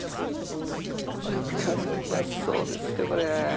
このイカうまそうですよこれ。